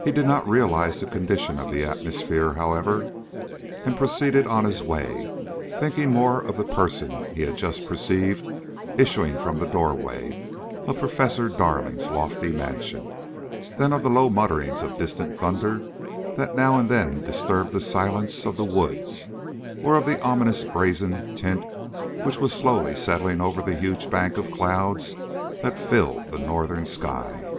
He did not realize the condition of the atmosphere, however, and proceeded on his way, thinking more of the person he had just perceived issuing from the door way of Professor Darling's lofty mansion, than of the low mutterings of distant thunder that now and then disturbed the silence of the woods, or of the ominous, brazen tint which was slowly settling over the huge bank of cloud that filled the northern sky.